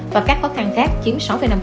và các khó khăn khác chiếm sáu năm